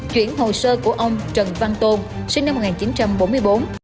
chuyển hồ sơ của ông trần văn tôn sinh năm một nghìn chín trăm bốn mươi bốn